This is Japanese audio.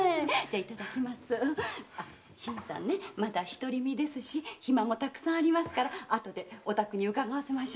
あ新さんねまだ独り身ですし暇もたくさんありますからあとでお宅に伺わせましょうか？